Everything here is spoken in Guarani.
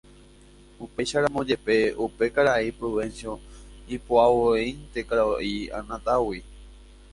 Upéicharamo jepe, upe karai Prudencio ipo'avevoínte karai Anatágui.